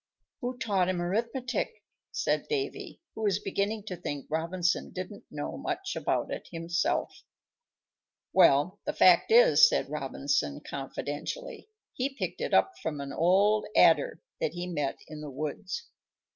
"Who taught him arithmetic?" said Davy, who was beginning to think Robinson didn't know much about it himself. "Well, the fact is," said Robinson, confidentially, "he picked it up from an old Adder, that he met in the woods."